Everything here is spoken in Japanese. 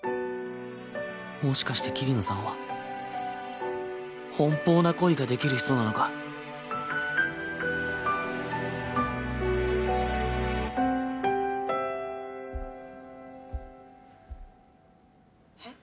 もしかして桐野さんは奔放な恋ができる人なのか？えっ？